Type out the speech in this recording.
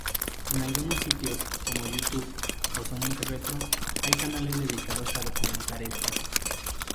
En algunos sitios, como Youtube o Sonic Retro, hay canales dedicados a documentar estos.